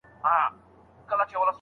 خندا مې په ظاهره ده ژړا ده په وجود کې